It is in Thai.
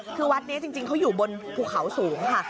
คือวัดนี้จริงเขาอยู่บนภูเขาสูงค่ะ